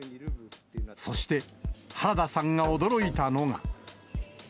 そして原田さんが驚いたのが。